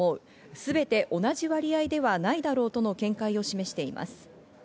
すべて同じ割合ではないだろうとの見解を示しています。